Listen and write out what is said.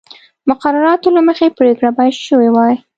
مقرراتو له مخې پرېکړه باید شوې وای.